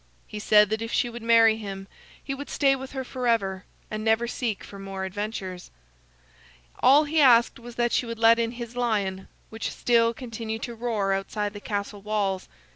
He said that if she would marry him, he would stay with her forever, and never seek for more adventures. All he asked was that she would let in his lion, which still continued to roar outside the castle walls.